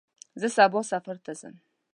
زه سبا سفر ته ځم.